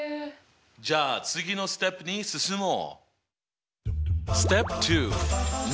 じゃあ次のステップに進もう！